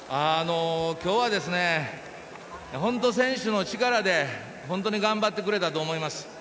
今日は本当、選手の力で本当に頑張ってくれたと思います。